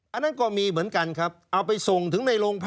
อันนั้นก็มีเหมือนกันครับเอาไปส่งถึงในโรงพัก